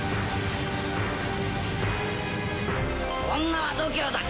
女は度胸だ！